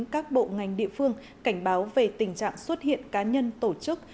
các bộ ngành địa phương cảnh báo về tình trạng xuất hiện cá nhân tổ chức